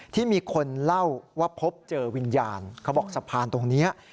ที่มีคนเล่าว่าพบเจอวิญญาณเขาบอกสะพานตรงนี้